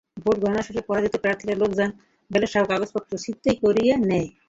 Vote গণনা শেষে পরাজিত প্রার্থীর লোকজন ব্যালটসহ কাগজপত্র ছিনতাই করে নেন।